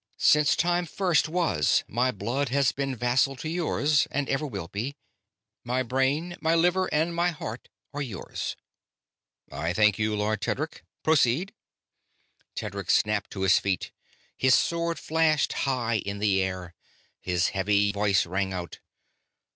Since time first was my blood has been vassal to yours, and ever will be. My brain, my liver, and my heart are yours." "I thank you, Lord Tedric. Proceed." Tedric snapped to his feet. His sword flashed high in air. His heavy voice rang out.